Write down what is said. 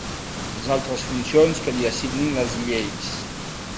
Les altres funcions que li assignin les lleis.